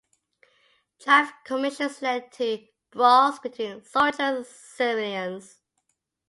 Draft commissions led to brawls between soldiers and civilians.